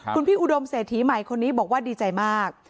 คุณพี่อุดมเศรษฐีใหม่คนนี้บอกว่าดีใจมาก